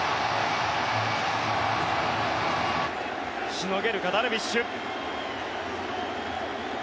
しのげるか、ダルビッシュ。